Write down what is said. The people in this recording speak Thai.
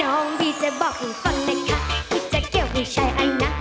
น้องบีจะบอกให้ฟังนะคะอีจะเกียวว่าใช่ไงนะ